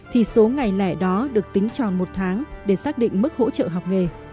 thì số ngày lẻ đó được tính tròn một tháng để xác định mức hỗ trợ học nghề